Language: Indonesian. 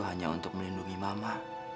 hanya untuk melindungi mama